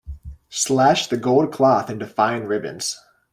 Slash the gold cloth into fine ribbons.